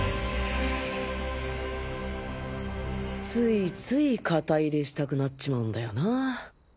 ついつい肩入れしたくなっちまうんだよな